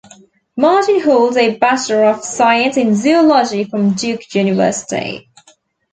Martin holds a Bachelor of Science in Zoology from Duke University.